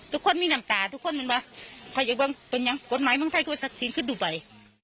ทุกคนมีหนันตาทุกคนมันว่าใครจะกดหมายมืองเท้นคว่าจะสักสินขึ้นดูไป